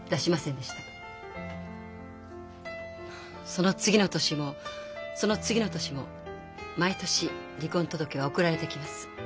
その次の年もその次の年も毎年離婚届は送られてきます。